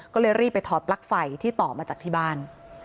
ก็เลยรีบไปถอดปลั๊กไฟที่ต่อมาจากที่บ้าน